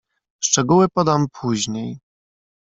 "Szczegóły podam później."